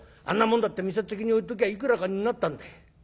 あんなもんだって店っ先に置いときゃいくらかになったんだ。